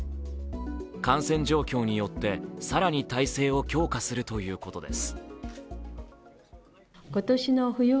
感染状況によって更に体制を強化するということです。